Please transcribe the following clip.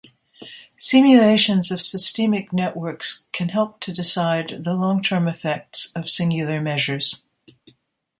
Simulations of systemic networks can help to decide the long-term effects of singular measures.